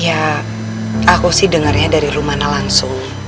iya aku sih dengernya dari rumana langsung